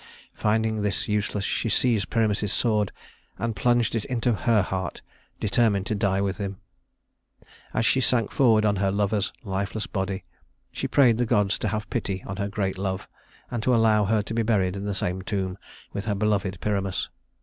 Finding this useless, she seized Pyramus's sword and plunged it into her heart determined to die with him. As she sank forward on her lover's lifeless body, she prayed the gods to have pity on her great love and to allow her to be buried in the same tomb with her beloved Pyramus.